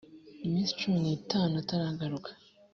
iminsi cumi n itanu ataragaruka